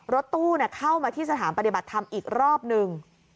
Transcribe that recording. รถตู้เข้ามาที่สถานปฏิบัติธรรมอีกรอบหนึ่ง